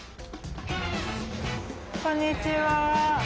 こんにちは。